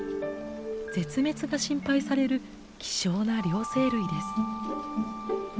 絶滅が心配される希少な両生類です。